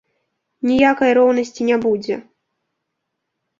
Ніякай роўнасці не будзе.